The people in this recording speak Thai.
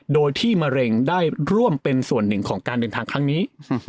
โดยที่มะเร็งได้ร่วมเป็นส่วนหนึ่งของการเดินทางครั้งนี้